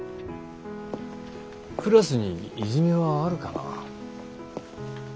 クラスにいじめはあるかな？